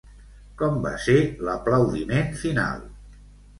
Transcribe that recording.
Com va ser l'aplaudiment final?